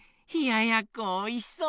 やっこおいしそう！